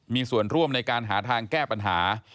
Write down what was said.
มีส่วนร่วมในการหาทางแก้ปัญหา